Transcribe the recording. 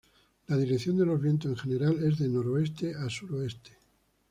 La dirección de los vientos en general es de noreste a suroeste.